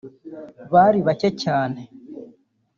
bari bake cyane